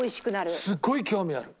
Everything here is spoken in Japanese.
すごい興味ある。